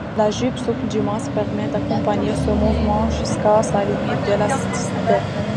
La jupe souple du masque permet d'accompagner ce mouvement jusqu'à sa limite d'élasticité.